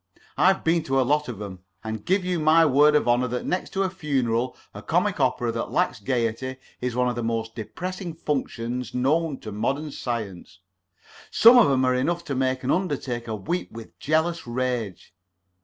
I've been to a lot of 'em, and I give you my word of honor that next to a funeral a comic opera that lacks gayety is one of the most depressing functions known to modern science. Some of 'em are enough to make an undertaker weep with jealous rage.